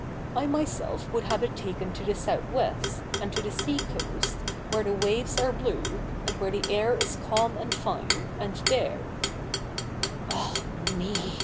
I myself would have it taken to the south west, and to the sea coast, where the waves are blue, and where the air is calm and fine, and there —'' Ah me